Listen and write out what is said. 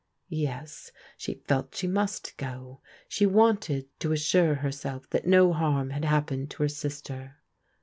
Yes, she felt she must go. She wanted to assure herself that no harm had happened to her sister.